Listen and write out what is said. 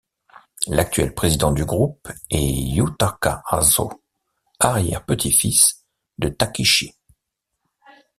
L'actuel président du groupe est Yutaka Asō, arrière-petit-fils de Takichi.